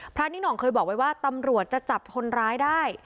นิ่งห่องเคยบอกไว้ว่าตำรวจจะจับคนร้ายได้